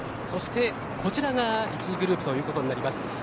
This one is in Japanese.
そして、こちらが１位グループとなります。